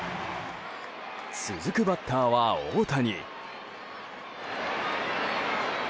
続くバッターは大谷。